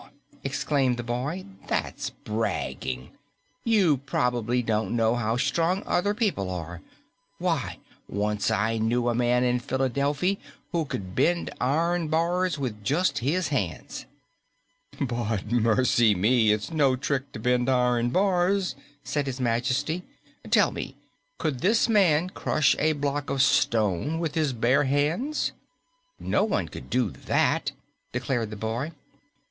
exclaimed the boy. "That's bragging. You prob'ly don't know how strong other people are. Why, once I knew a man in Philadelphi' who could bend iron bars with just his hands!" "But mercy me, it's no trick to bend iron bars," said His Majesty. "Tell me, could this man crush a block of stone with his bare hands?" "No one could do that," declared the boy.